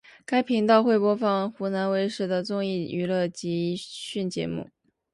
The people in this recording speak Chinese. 该频道会播放湖南卫视的综艺娱乐及资讯节目。